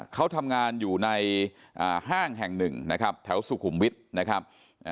เขาทำงานอยู่ในห้างแห่งหนึ่งนะครับแถวสุขุมวิทย์นะครับ